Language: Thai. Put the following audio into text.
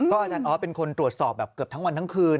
อาจารย์ออสเป็นคนตรวจสอบแบบเกือบทั้งวันทั้งคืน